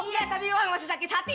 iya tapi memang masih sakit hati